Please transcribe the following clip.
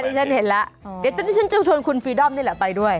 อ่ะนี่ฉันเห็นแล้วเดี๋ยวฉันจะชนคุณฟรีดอมนี่แหละไปด้วย